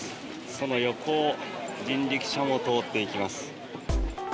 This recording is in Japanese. その横を人力車も通っていきます。